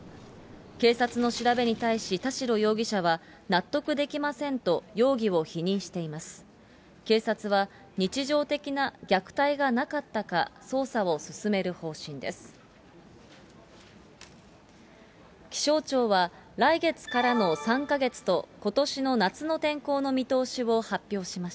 警察の調べに対し、田代容疑者は納得できませんと容疑を否認しています。